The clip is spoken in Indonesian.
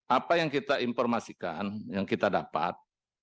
apa yang kita informasikan yang kita dapat